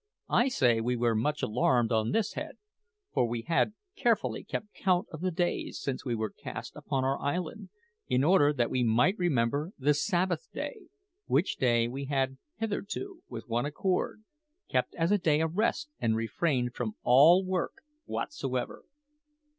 I say we were much alarmed on this head; for we had carefully kept count of the days, since we were cast upon our island, in order that we might remember the Sabbath day, which day we had hitherto, with one accord, kept as a day of rest, and refrained from all work whatsoever.